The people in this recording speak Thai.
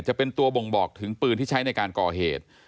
จะเป็นตัวบ่งบอกถึงปืนที่ใช้ในการก่อเหตุ